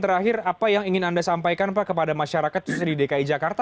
terakhir apa yang ingin anda sampaikan pak kepada masyarakat di dki jakarta